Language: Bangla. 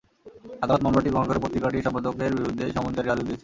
আদালত মামলাটি গ্রহণ করে পত্রিকাটির সম্পাদকের বিরুদ্ধে সমন জারির আদেশ দিয়েছেন।